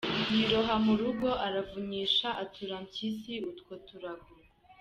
Yiroha mu rugo aravunyisha, atura Mpyisi utwo turago.